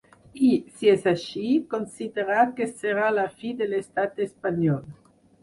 I, si és així, considera que serà la fi de l’estat espanyol.